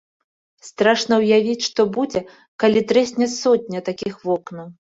Страшна ўявіць, што будзе, калі трэсне сотня такіх вокнаў.